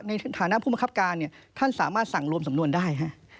ในฐานะผู้บังคับการท่านสามารถสั่งรวมสำนวนได้